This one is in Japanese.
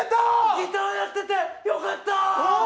ギターやっててよかった！